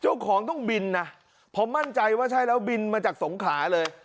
เจ้าของต้องบินนะผมมั่นใจว่าใช่แล้วบินมาจากสงขลาเลย